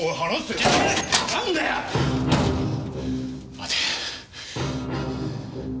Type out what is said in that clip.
待て。